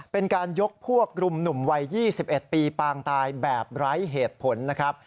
เป็นการยกพวกรุมหนุ่มวัย๒๑ปีปางตายแบบไร้เหตุผลนะครับ